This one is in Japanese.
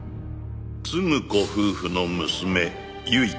「継子夫婦の娘唯香」